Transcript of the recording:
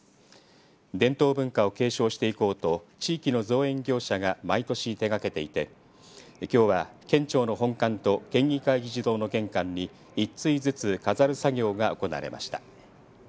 伝統文化を継承していこうと地域の造園業者が毎年手がけていてきょうは県庁の本館と県議会議事堂の玄関に一対ずつ飾る作業が行われました。